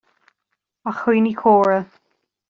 A dhaoine córa,